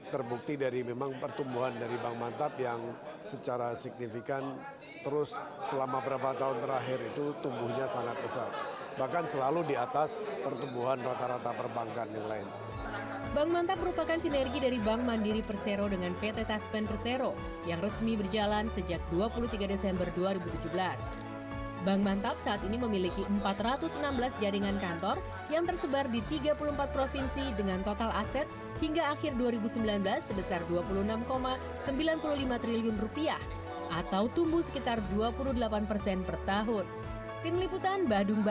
pembangunan pembangunan pembangunan